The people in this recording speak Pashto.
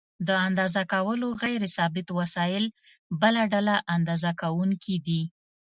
د اندازه کولو غیر ثابت وسایل بله ډله اندازه کوونکي دي.